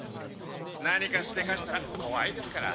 何かしでかしたら怖いですから。